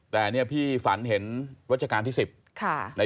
แต่พี่ฝันเห็นรถจักรรมที่๑๐